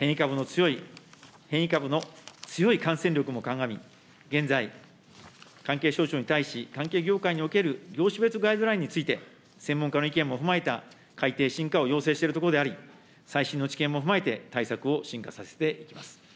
変異株の強い感染力もかんがみ、現在、関係省庁に対し、関係業界における業種別ガイドラインについて、専門家の意見も踏まえた改定、進化を要請しているところであり、最新の知見も踏まえて、対策を進化させていきます。